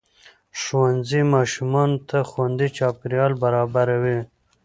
ښوونځی ماشومانو ته خوندي چاپېریال برابروي